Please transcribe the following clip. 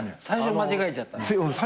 最初間違えちゃった。